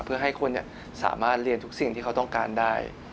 เพื่อให้คนสามารถเรียนทุกสิ่งที่เขาต้องการได้